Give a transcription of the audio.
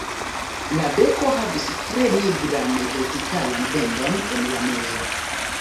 La beko havis tre nigran vertikalan bendon en la mezo.